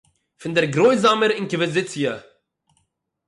פון דער גרויזאַמער אינקוויזיציע